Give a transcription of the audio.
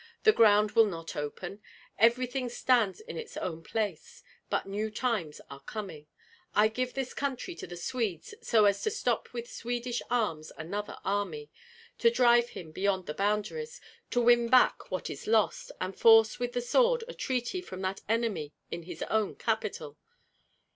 The ground will not open, everything stands on its own place; but new times are coming. I give this country to the Swedes so as to stop with Swedish arms another enemy, to drive him beyond the boundaries, to win back what is lost, and force with the sword a treaty from that enemy in his own capital.